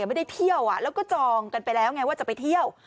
ไม่ได้เที่ยวแล้วก็จองกันไปแล้วไงว่าจะไปเที่ยว